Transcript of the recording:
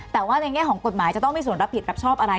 แต่ว่าในแง่ของกฎหมายจะต้องมีส่วนรับผิดรับชอบอะไร